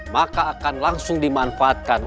maka akan langsung dimanfaatkan